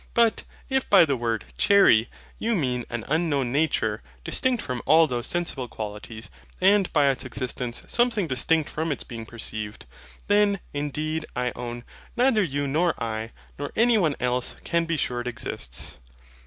But if by the word CHERRY, you mean an unknown nature, distinct from all those sensible qualities, and by its EXISTENCE something distinct from its being perceived; then, indeed, I own, neither you nor I, nor any one else, can be sure it exists.